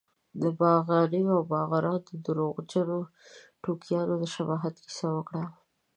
د باغني او باغران درواغجنو ټوکیانو د شباهت کیسه وکړه.